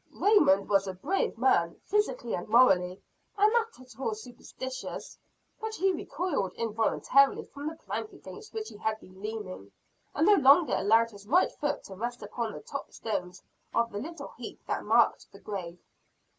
Raymond was a brave man, physically and morally, and not at all superstitious; but he recoiled involuntarily from the plank against which he had been leaning, and no longer allowed his right foot to rest upon the top stones of the little heap that marked the grave.